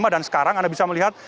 dan sekarang anda bisa melihat